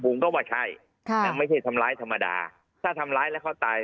ผมก็ว่าใช่ค่ะไม่ใช่ทำร้ายธรรมดาถ้าทำร้ายแล้วเขาตาย